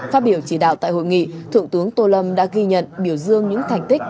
phát biểu chỉ đạo tại hội nghị thượng tướng tô lâm đã ghi nhận biểu dương những thành tích